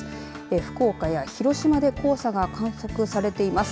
福岡や広島で黄砂が観測されています。